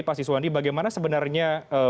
pas siswandi bagaimana sebenarnya